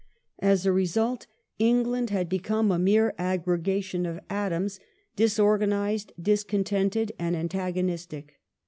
As a result, England had become a mere aggregation of atoms, disorganized, discontented, and antagonistic.